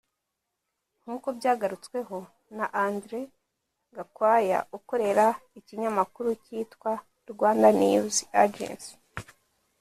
nk’uko byagarutsweho na Andre Gakwaya ukorera ikinymakuru kitwa "Rwanda News Agency"